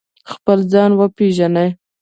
خپل ځان وپیژنئ